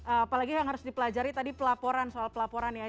apalagi yang harus dipelajari tadi pelaporan soal pelaporan ya